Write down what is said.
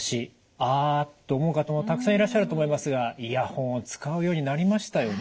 あと思う方もたくさんいらっしゃると思いますがイヤホンを使うようになりましたよね。